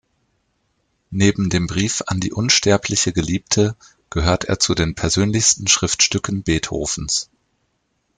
Neben dem Brief an die Unsterbliche Geliebte gehört er zu den persönlichsten Schriftstücken Beethovens.